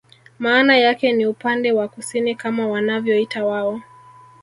Maana yake ni upande wa kusini kama wanavyoita wao